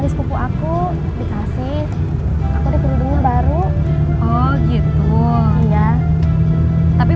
tapi mau di kerudung terus kan